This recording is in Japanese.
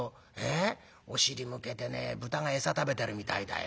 お尻向けてね豚が餌食べてるみたいだよ。